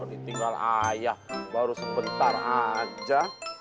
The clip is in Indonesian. ditinggal ayah baru sebentar aja